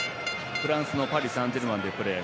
フランスのパリサンジェルマンでプレー。